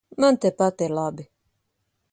Man tepat ir labi.